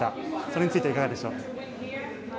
それについてはいかがですか。